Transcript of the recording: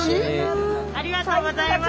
ありがとうございます。